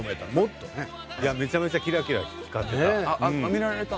いやめちゃめちゃキラキラ光ってた。